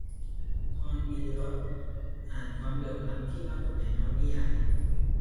ธร ปีติดล อ่านความเหลื่อมล้ำที่ปรากฏในนวนิยาย